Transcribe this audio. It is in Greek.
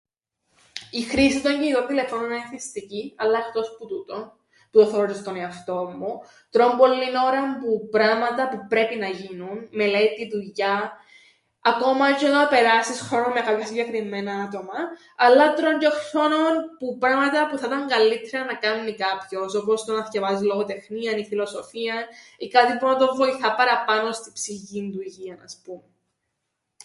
Η χρήση των κινητών τηλεφώνων εν' εθιστική, αλλά εχτός που τούτον, που το θωρώ τζ̆αι στον εαυτόν μου, τρων πολλήν ώραν που πράματα που πρέπει να γίνουν: μελέτην, δουλειάν. Ακόμα τζ̆αι να περάσεις χρόνον με κάποια συγκεκριμμένα άτομα, αλλά τρων τζ̆αι χρόνον που πράματα που θα 'ταν καλλύττερα να κάμει κάποιος όπως το να θκιαβάζει λογοτεχνίαν ή φιλοσοφίαν ή κάτι που να τον βοηθά παραπάνω στην ψυχικήν του υγείαν ας πούμεν.